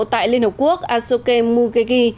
tại liên hợp quốc ashok mugegi